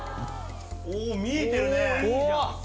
お見えてるね。